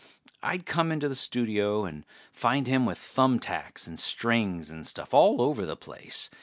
I'd come into the studio and find him with thumb tacks and strings and stuff all over the place.